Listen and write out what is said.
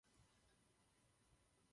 O jeho rodině toho není příliš známo.